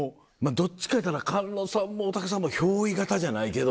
どっちかいうたら菅野さんも大竹さんも憑依型じゃないけど。